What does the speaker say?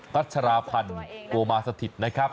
ก็ถือกับตัวเอง